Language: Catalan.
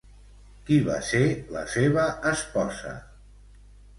Qui va ser la seva esposa?